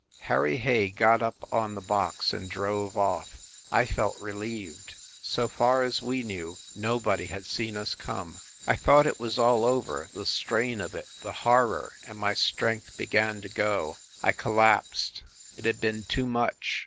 Harry Hay got up on the box and drove off. I felt relieved. So far as we knew, nobody had seen us come. I thought it was all over, the strain of it, the horror, and my strength began to go ... I collapsed ... it had been too much.